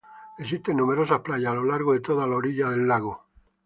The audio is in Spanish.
Existen numerosas playas a lo largo de toda la orilla del lago.